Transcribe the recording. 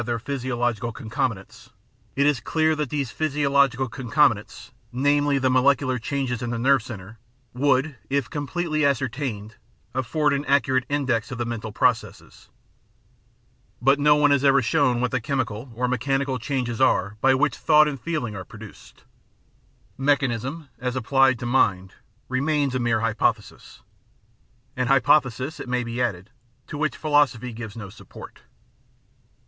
Professor of Psychology MinJ, a HiHory and a Dr/en: The Science of the Mind 547 physiological concomitants, it is clear that these physiological concomitants, namely the molecular changes in the nerve centre, would, if completely ascertained, a£Pord an accurate index of the mental processes." But no one has ever shown what the chemical or mechanical changes are by which thought and feeling are produced. Mech anism, as applied to mind, remains a mere hypothesis, an hypothesis, it may be added, to which philosophy gives no support.